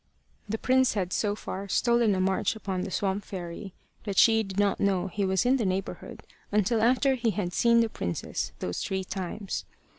The prince had so far stolen a march upon the swamp fairy that she did not know he was in the neighbourhood until after he had seen the princess those three times.